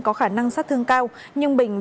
có khả năng sát thương cao nhưng bình